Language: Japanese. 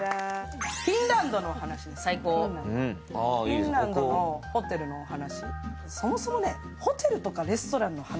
フィンランドのホテルのお話。